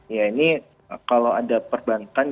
ya ini kalau ada perbankan